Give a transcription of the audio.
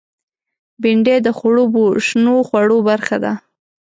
بېنډۍ د خړوبو شنو خوړو برخه ده